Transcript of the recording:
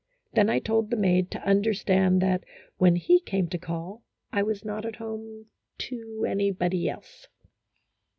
Then I told the maid to understand that, when he came to call, I was not at home "to anybody else."